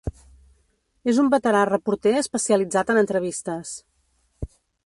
És un veterà reporter especialitzat en entrevistes.